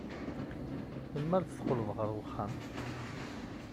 Melmi ay d-teqqled ɣer wexxam?